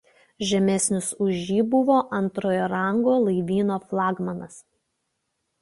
Žemesnis už jį buvo "antro rango laivyno flagmanas".